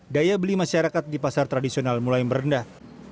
daya beli masyarakat di pasar tradisional mulai merendah